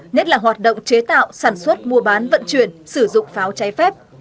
nhất là hoạt động chế tạo sản xuất mua bán vận chuyển sử dụng pháo trái phép